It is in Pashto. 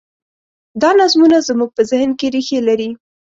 دا نظمونه زموږ په ذهن کې رېښې لري.